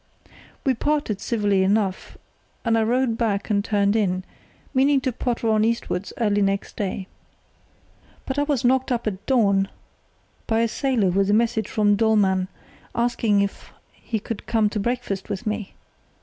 "We parted civilly enough, and I rowed back and turned in, meaning to potter on eastwards early next day. "But I was knocked up at dawn by a sailor with a message from Dollmann asking if he could come to breakfast with me.